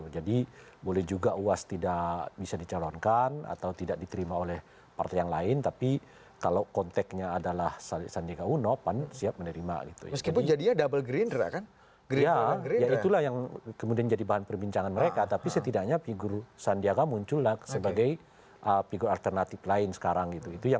jelang penutupan pendaftaran